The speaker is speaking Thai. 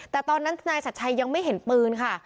แต่ตอนนั้นนายชัดชัยยังไม่เห็นปืนค่ะ